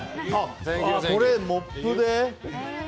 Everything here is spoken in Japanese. これ、モップで？